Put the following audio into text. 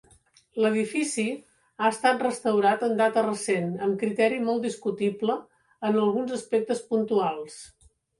L'edifici ha estat restaurat en data recent amb criteri molt discutible en alguns aspectes puntuals.